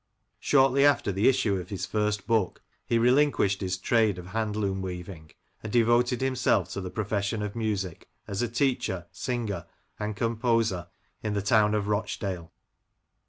Shortly afler the issue of his first book, he relinquished his trade of hand loom weaving, and devoted himself to the profession of musiq, as a teacher, singer, and composer, in the town of Rochdale.